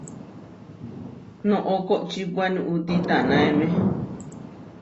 Noʼó koʼčipua nuʼúti tanaemé.